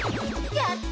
やった！